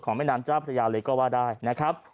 แม่น้ำเจ้าพระยาเลยก็ว่าได้นะครับ